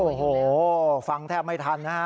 โอ้โหฟังแทบไม่ทันนะฮะ